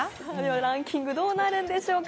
ランキング、どうなるんでしょうか。